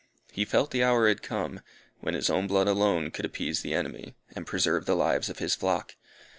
He felt the hour had come, when his own blood alone could appease the enemy, and preserve the lives of his flock.